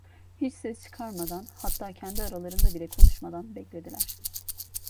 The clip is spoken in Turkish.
Hiç ses çıkarmadan, hatta kendi aralarında bile konuşmadan beklediler.